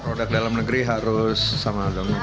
produk dalam negeri harus sama